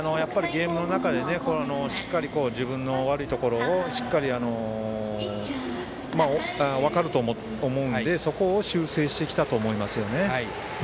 ゲームの中で自分の悪いところがしっかり分かると思うんでそこを修正してきたと思いますね。